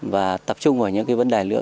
và tập trung vào những vấn đề lựa